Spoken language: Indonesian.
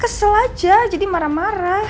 kesel aja jadi marah marah